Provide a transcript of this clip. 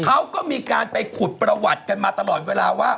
เขาก็มีการไปขุดประวัติกันมาตลอดเวลาว่า